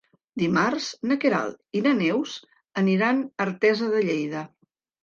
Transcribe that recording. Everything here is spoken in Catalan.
Dimarts na Queralt i na Neus aniran a Artesa de Lleida.